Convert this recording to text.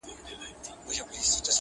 پرېږده چي نشه یم له خمار سره مي نه لګي،